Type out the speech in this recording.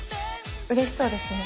うれしそうですね。